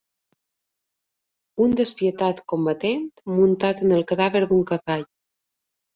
Un despietat combatent muntat en el cadàver d'un cavall.